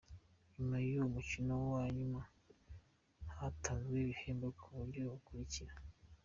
Nyuma y’uwo mukino wa nyuma hatanzwe ibihembo ku buryo bukurikira :.